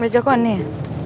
baju aku aneh ya